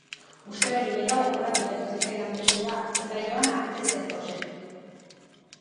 Uste baino gehiago korapilatu zitzaidan testua eta Joana ez zen gose.